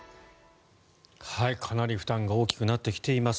かなり負担が大きくなってきています。